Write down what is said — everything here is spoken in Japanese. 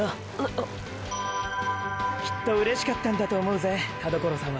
っ⁉きっとうれしかったんだと思うぜ田所さんは。